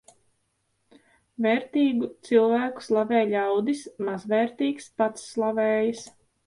Vērtīgu cilvēku slavē ļaudis, mazvērtīgs pats slavējas.